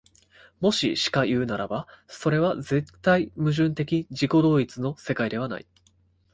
もししかいうならば、それは絶対矛盾的自己同一の世界ではない。